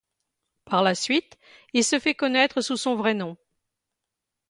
Par la suite, il se fait connaître sous son vrai nom.